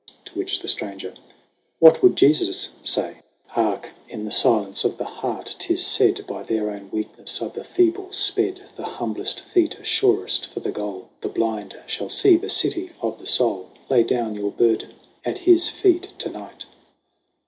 To which the stranger : "What would Jesus say ? 122 SONG OF HUGH GLASS Hark ! In the silence of the heart 'tis said By their own weakness are the feeble sped ; The humblest feet are surest for the goal ; The blind shall see the City of the Soul. Lay down your burden at His feet to night."